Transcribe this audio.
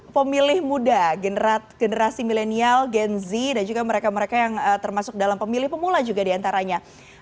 pemilih muda generasi milenial gen z dan juga mereka mereka yang termasuk dalam pemilih pemula juga diantaranya